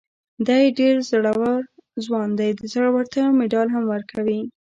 دی ډېر زړور ځوان دی، د زړورتیا مېډال هم ورکوي.